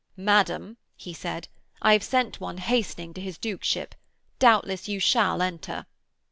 'Madam,' he said, 'I have sent one hastening to his duke ship. Doubtless you shall enter.'